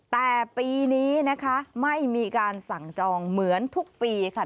แต่ปีนี้นะคะไม่มีการสั่งจองเหมือนทุกปีค่ะ